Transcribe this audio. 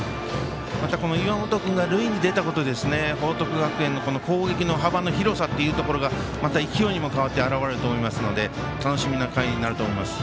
また、この岩本君が塁に出たことで報徳学園の攻撃の幅の広さっていうところがまた勢いにも変わって表れると思いますので楽しみな回になると思います。